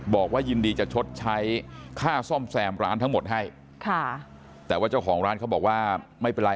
บอกว่ายินดีจะชดใช้ค่าซ่อมแซมร้านทั้งหมดให้ค่ะแต่ว่าเจ้าของร้านเขาบอกว่าไม่เป็นไร